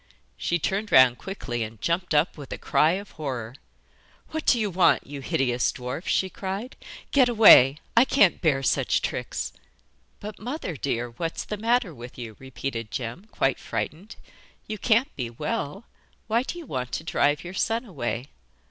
She turned round quickly and jumped up with a cry of horror. 'What do you want, you hideous dwarf?' she cried; 'get away; I can't bear such tricks.' 'But, mother dear, what's the matter with you?' repeated Jem, quite frightened. 'You can't be well. Why do you want to drive your son away?